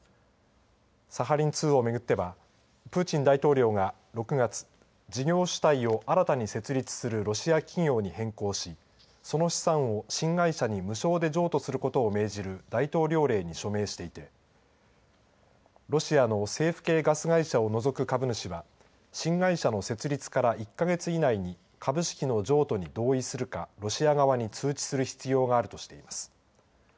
サハリン２を巡ってはプーチン大統領が６月事業主体を新たに設立するロシア企業に変更しその資産を新会社に無償で譲渡することを命じる大統領令に署名していてロシアの政府系ガス会社を除く株主は新会社の設立から１か月以内に株式の譲渡に同意するかロシア側に通知する必要があるとしています。